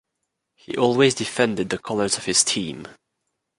He always defended the colors of this team.